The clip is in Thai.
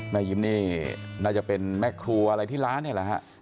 ยิ้มนี่น่าจะเป็นแม่ครัวอะไรที่ร้านนี่แหละฮะ